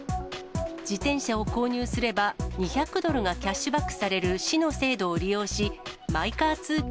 自転車を購入すれば、２００ドルがキャッシュバックされる市の制度を利用し、マイカー